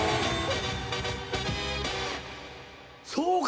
そうか！